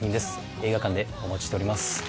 映画館でお待ちしております。